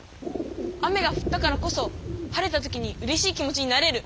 雨がふったからこそ晴れた時にうれしい気持ちになれる。